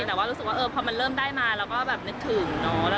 แต่ว่ารู้สึกว่าพอมันเริ่มได้มาเราก็แบบนึกถึงเนอะ